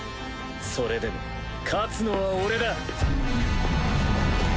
それでも勝つのは俺だ！